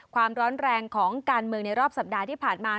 ความร้อนแรงของการเมืองในรอบสัปดาห์ที่ผ่านมา